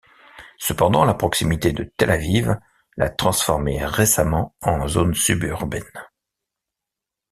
Cependant la proximité de Tel Aviv l'a transformé récemment en zone suburbaine.